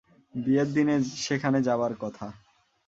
বিয়ের দিনে সেখানে যাবার কথা।